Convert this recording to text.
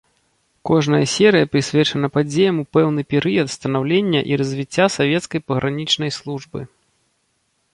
Кожная серыя прысвечана падзеям у пэўны перыяд станаўлення і развіцця савецкай пагранічнай службы.